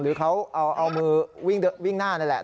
หรือเขาเอามือวิ่งหน้านี่แหละ